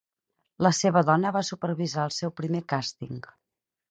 La seva dona va supervisar el seu primer càsting.